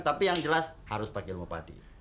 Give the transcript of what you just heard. tapi yang jelas harus pakai ilmu padi